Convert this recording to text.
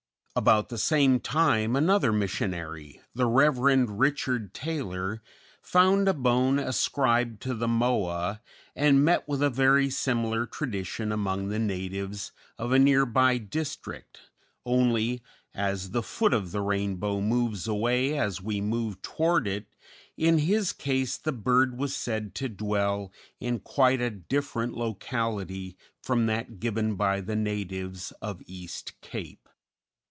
About the same time another missionary, the Rev. Richard Taylor, found a bone ascribed to the Moa, and met with a very similar tradition among the natives of a near by district, only, as the foot of the rainbow moves away as we move toward it, in his case the bird was said to dwell in quite a different locality from that given by the natives of East Cape.